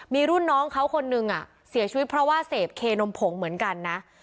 มีรุ่นน้องเขาคนนึงเสียชีวิตเพราะว่าเสพเคนมผงเหมือนกันนะ